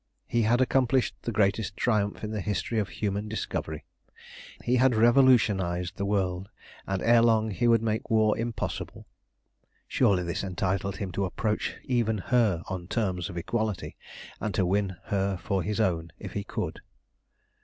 He had accomplished the greatest triumph in the history of human discovery. He had revolutionised the world, and ere long he would make war impossible. Surely this entitled him to approach even her on terms of equality, and to win her for his own if he could.